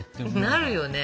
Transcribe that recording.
なるよね。